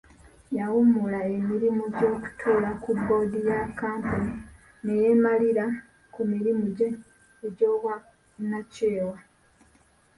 Yawummula emirimu gy'okutuula ku bboodi ya kkampuni ne yeemalira ku mirimu gye egy'obwannakyewa.